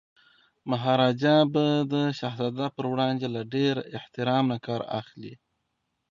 مهاراجا به د شهزاده پر وړاندي له ډیر احترام نه کار اخلي.